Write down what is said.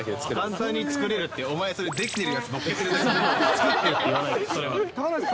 簡単に作れるって、お前、それってできてるやつのっけてるだけで、作ってるって言わない。